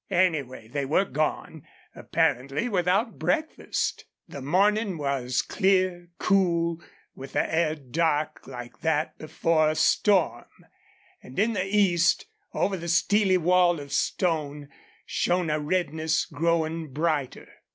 Anyway, they were gone, apparently without breakfast. The morning was clear, cool, with the air dark like that before a storm, and in the east, over the steely wall of stone, shone a redness growing brighter.